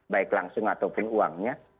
baik langsung ataupun uangnya